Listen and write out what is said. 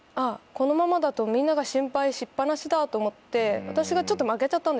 このままだとみんなが心配しっ放しだと思って。